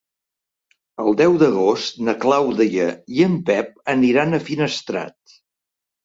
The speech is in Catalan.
El deu d'agost na Clàudia i en Pep aniran a Finestrat.